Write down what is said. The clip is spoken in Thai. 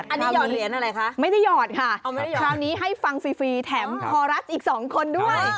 อันนี้หยอดเหรียญอะไรคะไม่ได้หอดค่ะคราวนี้ให้ฟังฟรีแถมคอรัสอีกสองคนด้วย